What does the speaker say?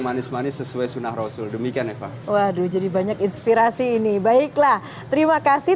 manis manis sesuai sunnah rasul demikian eva waduh jadi banyak inspirasi ini baiklah terima kasih